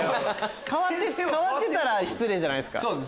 代わってたら失礼じゃないですか。